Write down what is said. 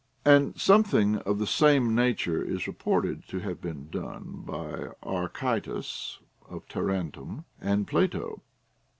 And something of the same nature is reported to have been done by Archytas of Tarentum and Plato.